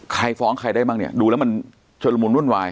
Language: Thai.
ใครฟ้องใครได้บ้างเนี่ยดูแล้วมันเฉลิมรุ่นวาย